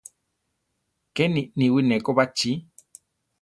Keni niwí neko bachí.